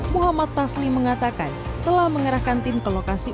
muhammad tasli mengatakan telah mengerahkan tim ke lokasi